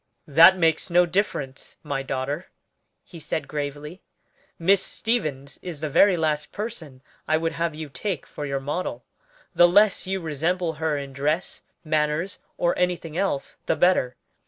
"That makes no difference, my daughter," he said gravely. "Miss Stevens is the very last person I would have you take for your model; the less you resemble her in dress, manners, or anything else, the better.